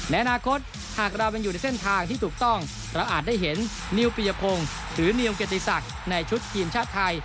ในอนาคตหากเรายังอยู่ในเส้นทางที่ถูกต้องเราอาจได้เห็นนิวปียพงศ์หรือนิวเกียรติศักดิ์ในชุดทีมชาติไทย